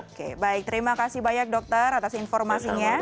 oke baik terima kasih banyak dokter atas informasinya